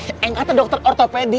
yang kata dokter ortopedi